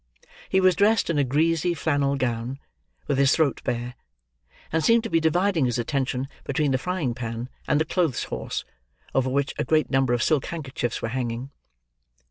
He was dressed in a greasy flannel gown, with his throat bare; and seemed to be dividing his attention between the frying pan and the clothes horse, over which a great number of silk handkerchiefs were hanging.